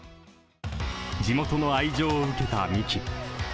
地元の愛情を受けた三木。